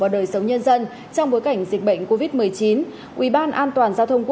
toàn quốc xảy ra năm trăm một mươi vụ tài nạn giao thông